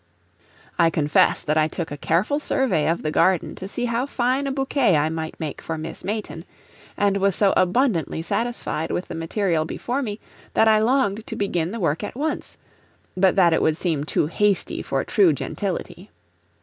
I confess that I took a careful survey of the garden to see how fine a bouquet I might make for Miss Mayton, and was so abundantly satisfied with the material before me that I longed to begin the work at once, but that it would seem too hasty for true gentility.